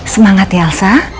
semangat ya elsa